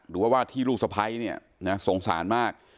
หรือว่าว่าที่ลูกสะพ้ายเนี่ยนะสงสารมาก